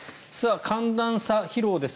寒暖差疲労です。